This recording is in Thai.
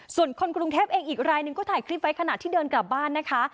ส่วนคนกรุงเทพเองอีกรายหนึ่งก็ถ่ายคลิปไว้ขณะที่เดินกลับบ้านนะคะ